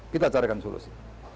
kita carikan solusi